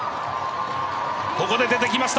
ここで出てきました！